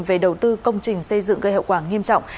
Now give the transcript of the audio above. về đầu tư công trình xây dựng gây hậu quả nghiêm trọng